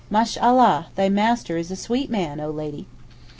'Mashallah, thy master is a sweet man, O Lady!